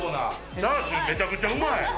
チャーシューめちゃくちゃうまい。